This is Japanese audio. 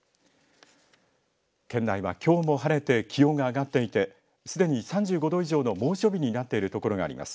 県内はきょうも晴れて気温が上がっていてすでに３５度以上の猛暑日になっているところがあります。